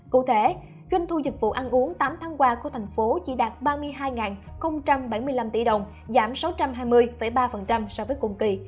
cụ thể doanh thu dịch vụ ăn uống tám tháng qua của thành phố chỉ đạt ba mươi hai bảy mươi năm tỷ đồng giảm sáu trăm hai mươi ba so với cùng kỳ